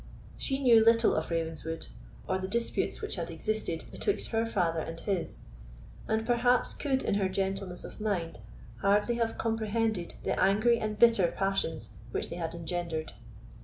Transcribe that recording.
She knew little of Ravenswood, or the disputes which had existed betwixt her father and his, and perhaps could in her gentleness of mind hardly have comprehended the angry and bitter passions which they had engendered.